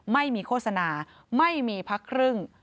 ไม่มีโฆษณาไม่มีพักครึ่ง